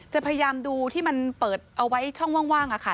จะพยายามดูที่มันเปิดเอาไว้ช่องว่าง